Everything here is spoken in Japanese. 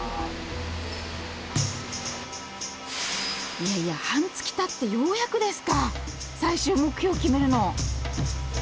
いやいや半月たってようやくですか最終目標決めるの。